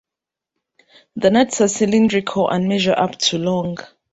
The nuts are cylindrical and measure up to long.